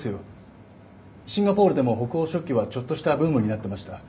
シンガポールでも北欧食器はちょっとしたブームになってました。